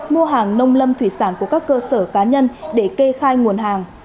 mua hàng nông lâm thủy sản của các cơ sở cá nhân để kê khai nguồn hàng